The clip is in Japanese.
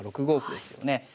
６五歩ですよね。